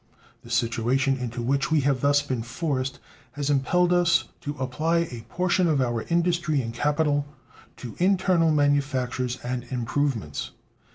The situation into which we have thus been forced has impelled us to apply a portion of our industry and capital to internal manufactures and improvements.